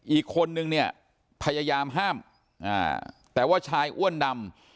อีกคนนึงเนี่ยพยายามห้ามแต่ว่าชายอ้วนดำ